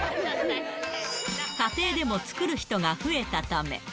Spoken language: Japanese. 家庭でも作る人が増えたため。